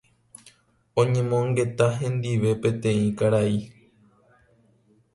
oñemongeta hendive peteĩ karai